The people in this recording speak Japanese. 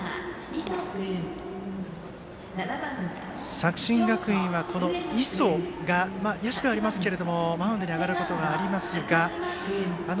作新学院は磯が野手ではありますがマウンドに上がることがありますが。